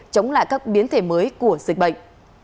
chống lại các biến thể mới của dịch bệnh